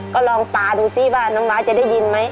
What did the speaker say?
ก็ลองปลาดูซิว่าน้องม้าจะได้ยินไหม